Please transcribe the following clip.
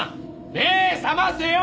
目覚ませよ！